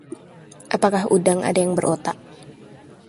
apakah udang ada yang berotak?